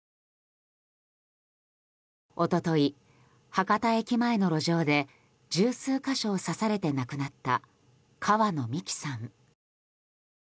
一昨日、博多駅前の路上で十数か所を刺されて亡くなった川野美樹さん。